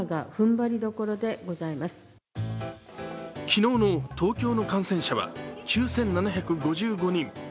昨日の東京の感染者は９７５５人。